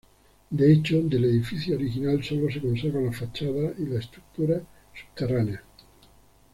De hecho, del edificio original solo se conserva la fachada y las estructura subterráneas.